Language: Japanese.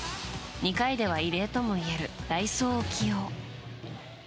２回では異例ともいえる代走を起用。